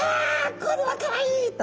これはかわいい！と。